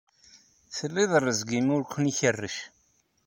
Tlid rezg imi ur ken-ikerrec